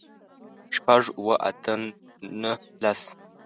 شپږ، اووه، اته، نهه، لس